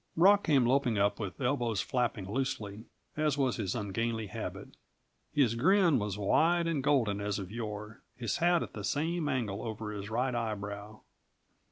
Rock came loping up with elbows flapping loosely, as was his ungainly habit. His grin was wide and golden as of yore, his hat at the same angle over his right eyebrow.